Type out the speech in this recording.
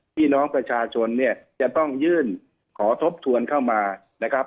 พี่น้องประชาชนเนี่ยจะต้องยื่นขอทบทวนเข้ามานะครับ